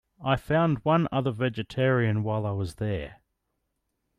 I found one other vegetarian while I was there.